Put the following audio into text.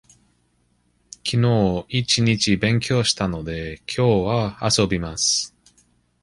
きのう一日勉強したので、きょうは遊びます。